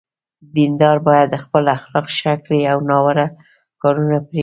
دینداران باید خپل اخلاق ښه کړي او ناوړه کارونه پرېږدي.